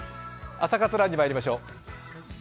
「朝活ＲＵＮ」にまいりましょう。